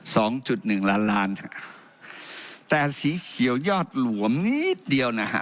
สองจุดหนึ่งล้านล้านฮะแต่สีเขียวยอดหลวมนิดเดียวนะฮะ